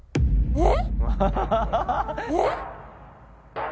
えっ⁉